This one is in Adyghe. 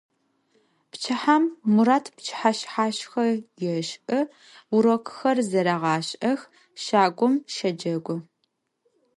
Pçıhem Murat pçıheşshaşşxe yêş'ı, vurokxer zerêğaş'ex, şagum şecegu.